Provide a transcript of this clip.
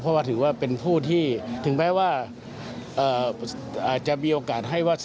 เพราะว่าถือว่าเป็นผู้ที่ถึงแม้ว่าจะมีโอกาสให้ว่า